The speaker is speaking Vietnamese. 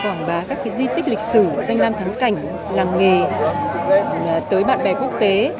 quảng bá các di tích lịch sử danh lam thắng cảnh làng nghề tới bạn bè quốc tế